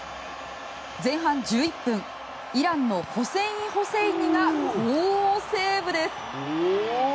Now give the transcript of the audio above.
前半１１分、イランのホセイン・ホセイニが好セーブ。